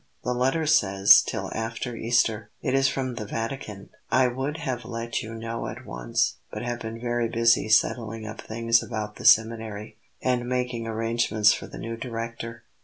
"The letter says, 'till after Easter.' It is from the Vatican. I would have let you know at once, but have been very busy settling up things about the seminary and making arrangements for the new Director."